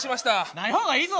ないほうがいいぞ。